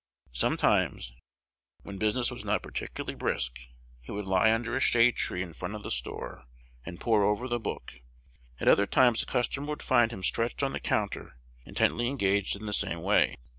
Sometimes, when business was not particularly brisk, he would lie under a shade tree in front of the store, and pore over the book; at other times a customer would find him stretched on the counter intently engaged in the same way.